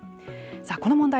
さあ、この問題